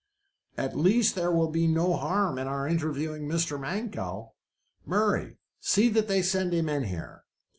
"At least there will be no harm in our interviewing Mr. Mankell. Murray, see that they send him here."